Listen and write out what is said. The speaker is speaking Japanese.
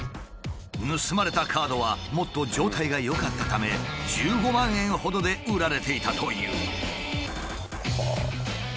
盗まれたカードはもっと状態が良かったため１５万円ほどで売られていたという。